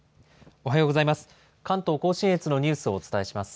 おはようございます。